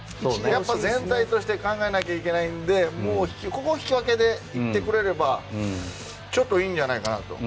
全体として考えなきゃいけないのでもうここは引き分けでいってくれればいいんじゃないかなと。